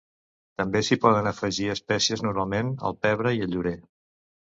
També s'hi poden afegir espècies, normalment el pebre i el llorer.